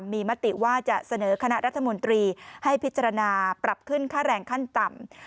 มีมติว่าจะเสนอคณะรัฐมนตรีให้พิจารณาปรับขึ้นค่าแรงขั้นต่ำ